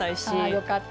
あよかった。